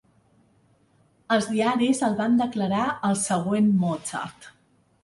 Els diaris el van declarar el següent Mozart.